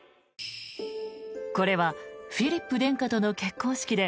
これはフィリップ殿下との結婚式で